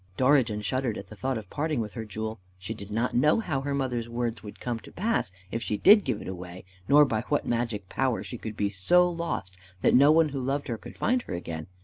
Dorigen shuddered at the thought of parting with her jewel. She did not know how her mother's words could come to pass, if she did give it away, nor by what magic power she could be so lost that no one who loved her could find her again.